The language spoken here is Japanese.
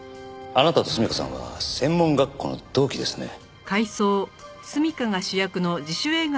あなたと純夏さんは専門学校の同期ですね。